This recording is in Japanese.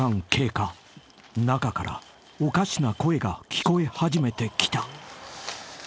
［中からおかしな声が聞こえ始めてきた］